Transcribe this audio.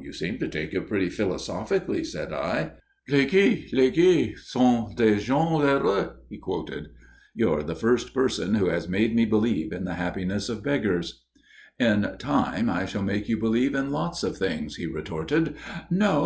"You seem to take it pretty philosophically," said I. "Les gueux, les gueux, sont des gens heureux," he quoted. "You're the first person who has made me believe in the happiness of beggars." "In time I shall make you believe in lots of things," he retorted. "No.